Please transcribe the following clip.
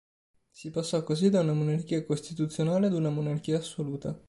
Si passò, così, da una monarchia costituzionale ad una monarchia assoluta.